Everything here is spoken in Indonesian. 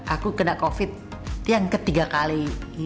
aku kena covid itu yang ketiga kali